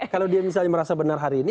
kalau dia misalnya merasa benar hari ini